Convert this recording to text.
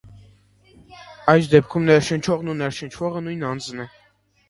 Այս դեպքում ներշնչողն ու ներշնչվողը նույն անձն է։